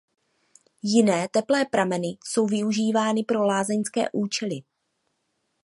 Jiné teplé prameny jsou využívány pro lázeňské účely.